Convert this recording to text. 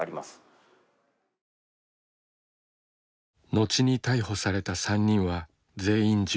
後に逮捕された３人は全員１９歳。